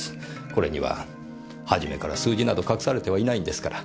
これにははじめから数字など隠されてはいないんですから。